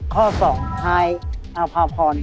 ข้อสองไฮอภาพร